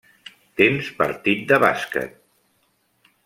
Tens partit de bàsquet.